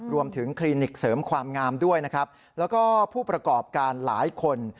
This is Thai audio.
คลินิกเสริมความงามด้วยนะครับแล้วก็ผู้ประกอบการหลายคน